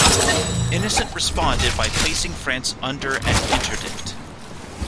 Innocent responded by placing France under an interdict.